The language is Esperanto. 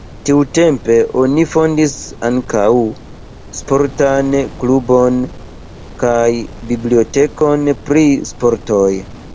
Tiutempe oni fondis ankaŭ sportan klubon kaj bibliotekon pri sportoj.